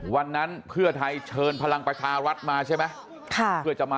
วันนั้นเพื่อไทยเชิญพลังประชารัฐมาใช่ไหม